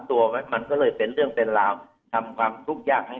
ตัวไหมมันก็เลยเป็นเรื่องเป็นราวทำความทุกอย่างให้